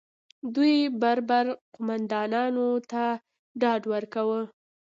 دوی بربر قومندانانو ته ډاډ ورکړي